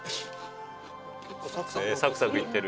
サクサクいってる。